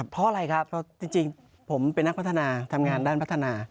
เพราะอะไรครับเพราะจริงผมเป็นนักพัฒนาทำงานด้านพัฒนา